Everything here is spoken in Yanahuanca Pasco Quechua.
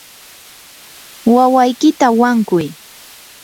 wawaykita wankuy.